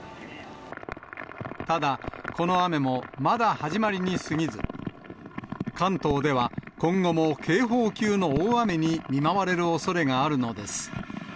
ただ、この雨もまだ始まりにすぎず、関東では今後も警報級の大雨に見舞われるおそれがあるのです。